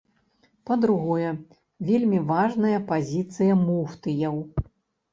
Па-другое, вельмі важная пазіцыя муфтыяў.